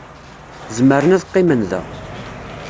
Zemren ad qqimen da.